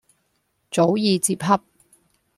早已接洽。